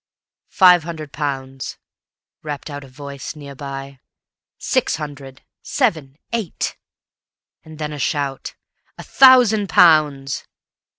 "Five hundred pounds!" rapped out a voice near by; "Six hundred!" "Seven!" "Eight!" And then a shout: "A thousand pounds!"